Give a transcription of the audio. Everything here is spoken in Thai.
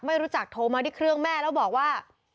ไม่รู้จักโทรมาที่เครื่องแม่แล้วบอกว่า